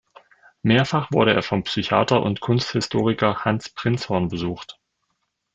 Mehrfach wurde er vom Psychiater und Kunsthistoriker Hans Prinzhorn besucht.